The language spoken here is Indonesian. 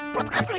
perut gak perlihat